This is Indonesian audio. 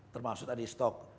termasuk ada stok